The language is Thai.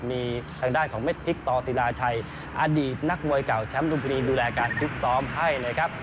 มีทางด้านของเม็ดพลิกตอสิราชัยอดีศนักมวยเก่าแชมป์ดรดูแลการที่ซ้อมให้นะครับ